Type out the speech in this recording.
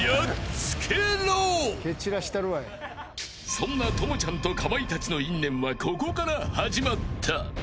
［そんな朋ちゃんとかまいたちの因縁はここから始まった］